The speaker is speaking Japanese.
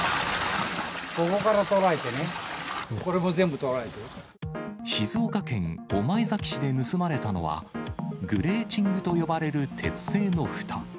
ここからとられてね、静岡県御前崎市で盗まれたのは、グレーチングと呼ばれる鉄製のふた。